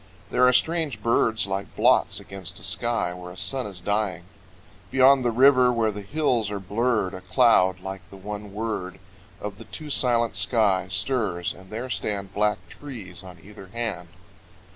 There are strange birds like blots against a sky Where a sun is dying. Beyond the river where the hills are blurred A cloud, like the one word Of the too silent sky, stirs, and there stand Black trees on either hand.